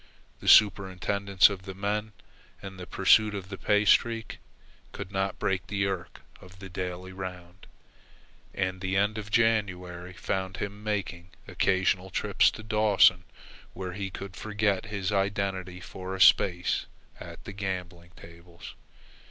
The superintendence of the men and the pursuit of the pay streak could not break the irk of the daily round, and the end of January found him making occasional trips to Dawson, where he could forget his identity for a space at the gambling tables.